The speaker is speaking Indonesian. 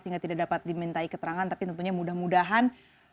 sehingga tidak dapat dimintai keterangan tapi tentunya mudah mudahan